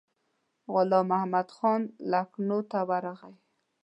غلام محمدخان لکنهو ته ورغلی دی.